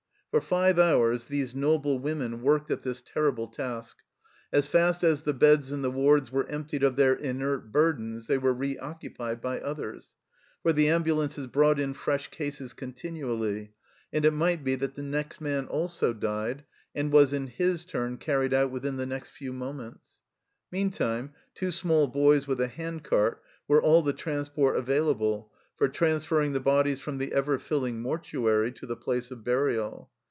For five hours these noble women worked at this THE RETREAT 65 terrible task. As fast as the beds in the wards were emptied of their inert burdens they were re occupied by others, for the ambulances brought in fresh cases continually, and it might be that the next man also died, and was in his turn carried out within the next few moments. Meantime, two small boys with a hand cart were all the transport available for transferring the bodies from the ever filling mortuary to the place of burial.